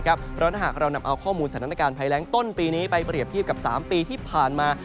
เพราะถ้าหากเรานำเอาข้อมูลสถานการณ์ภัยแรงต้นปีนี้ไปเปรียบเทียบกับ๓ปีที่ผ่านมา